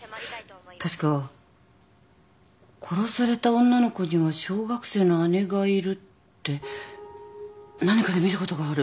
確か殺された女の子には小学生の姉がいるって何かで見たことがある。